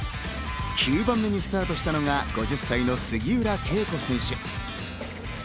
９番目にスタートしたのが５０歳の杉浦佳子選手。